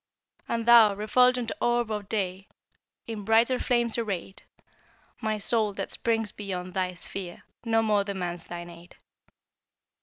And thou, refulgent Orb of Day, In brighter flames arrayed; My soul, that springs beyond thy sphere, No more demands thine aid.